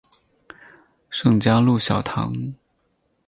圣嘉禄小堂。